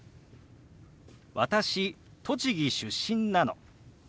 「私栃木出身なの」。